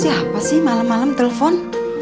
siapa sih malam malam telpon